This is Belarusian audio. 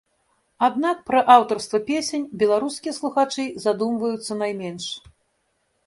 Аднак пра аўтарства песень беларускія слухачы задумваюцца найменш.